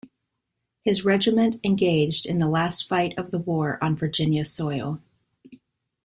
His regiment engaged in the last fight of the war on Virginia soil.